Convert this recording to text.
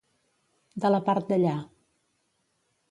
De la part d'allà.